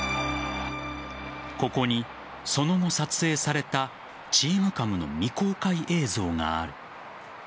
ここに、その後、撮影されたＴｅａｍＣａｍの未公開映像がある。